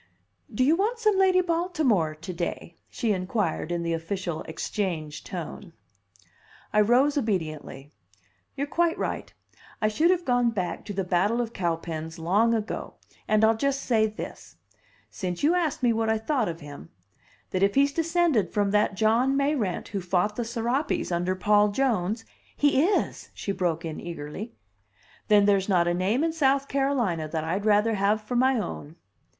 "Do you want some Lady Baltimore to day?" she inquired in the official Exchange tone. I rose obediently. "You're quite right, I should have gone back to the battle of Cowpens long ago, and I'll just say this since you asked me what I thought of him that if he's descended from that John Mayrant who fought the Serapes under Paul Jones " "He is!" she broke in eagerly. "Then there's not a name in South Carolina that I'd rather have for my own."